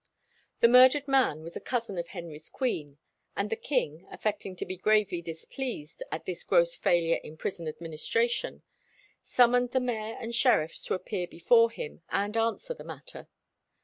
The murdered man was a cousin of Henry's queen, and the king, affecting to be gravely displeased at this gross failure in prison administration, summoned the mayor and sheriffs to appear before him and answer the matter.